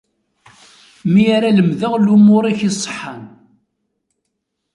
Mi ara lemdeɣ lumuṛ-ik iṣeḥḥan.